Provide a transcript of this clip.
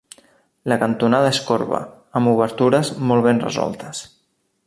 La cantonada és corba, amb obertures molt ben resoltes.